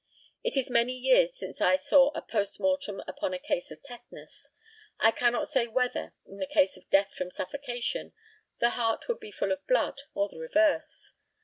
It is many years since I saw a post mortem upon a case of tetanus. I cannot say whether, in the case of death from suffocation, the heart would be full of blood or the reverse.